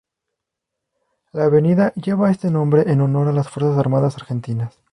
La avenida lleva este nombre en honor las Fuerzas Armadas argentinas.